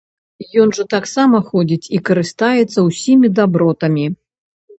Ён жа таксама ходзіць і карыстаецца ўсімі дабротамі.